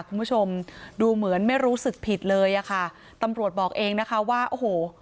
คุณผู้ชมดูเหมือนไม่รู้สึกผิดเลยอ่ะค่ะตำรวจบอกเองนะคะว่าโอ้โห